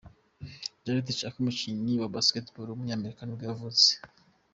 Jarrett Jack, umukinnyi wa basketball w’umunyamerika nibwo yavutse.